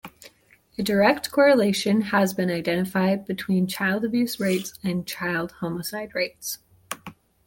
A direct correlation has been identified between child abuse rates and child homicide rates.